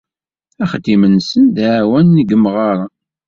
Axeddim-nsen d aɛawen n yemɣaren.